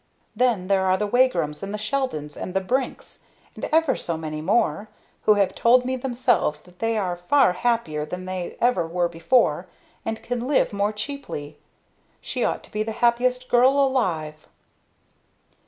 "Then there are the Wagrams, and the Sheldons, and the Brinks and ever so many more who have told me themselves that they are far happier than they ever were before and can live more cheaply. She ought to be the happiest girl alive!"